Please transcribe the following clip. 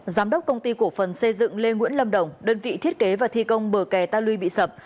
giám đốc công ty cổ phần xây dựng lê nguyễn lâm đồng đơn vị thiết kế và thi công bờ kè ta lui bị sập